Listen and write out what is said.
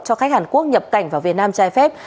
cho khách hàn quốc nhập cảnh vào việt nam trái phép